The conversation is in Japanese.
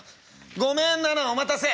ごめんナナお待たせ」。